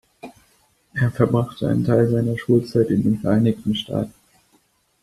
Er verbrachte einen Teil seiner Schulzeit in den Vereinigten Staaten.